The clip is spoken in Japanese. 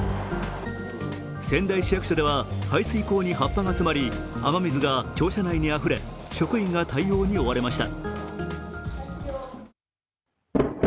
仙台市役所では排水溝に葉っぱが詰まり雨水が庁舎内にあふれ職員が対応に追われました。